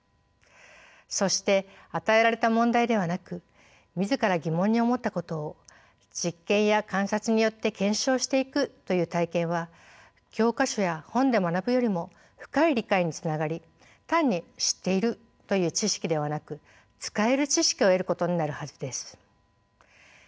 そして与えられた問題ではなく自ら疑問に思ったことを実験や観察によって検証していくという体験は教科書や本で学ぶよりも深い理解につながり単に「知っている」という知識ではなく使える知識を得ることになるはずです。